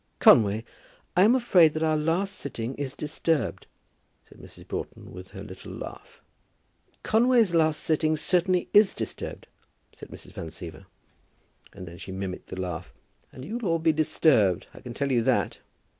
"Conway, I am afraid that our last sitting is disturbed," said Mrs. Broughton, with her little laugh. "Conway's last sitting certainly is disturbed," said Mrs. Van Siever, and then she mimicked the laugh. "And you'll all be disturbed, I can tell you that.